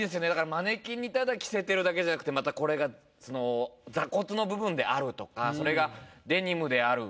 マネキンにただ着せてるだけじゃなくてまたこれがその坐骨の部分であるとかそれがデニムである。